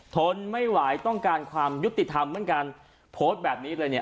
ทนไม่ไหวต้องการความยุติธรรมเหมือนกันโพสต์แบบนี้เลยเนี่ย